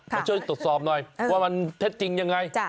มาช่วยตรวจสอบหน่อยว่ามันเท็จจริงยังไง